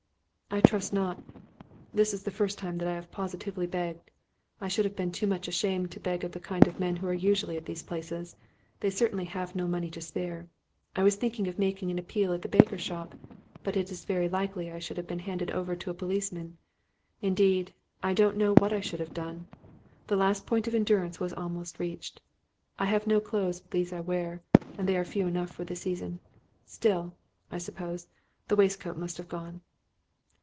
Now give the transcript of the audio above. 'I trust not. This is the first time that I have positively begged. I should have been too much ashamed to beg of the kind of men who are usually at these places; they certainly have no money to spare. I was thinking of making an appeal at a baker's shop, but it is very likely I should have been handed over to a policeman. Indeed I don't know what I should have done; the last point of endurance was almost reached. I have no clothes but these I wear, and they are few enough for the season. Still, I suppose the waistcoat must have gone.